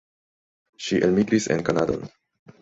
Ŝi elmigris en Kanadon.